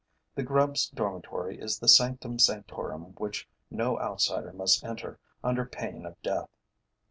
The grubs' dormitory is the sanctum sanctorum which no outsider must enter under pain of death.